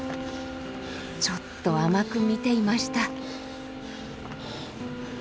ちょっと甘くみていました。